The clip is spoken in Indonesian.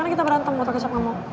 nanti kita berantem botol kecap gak mau